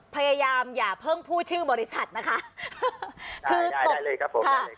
พยายามอย่าเพิ่งพูดชื่อบริษัทนะคะได้ได้ได้เลยครับผมค่ะ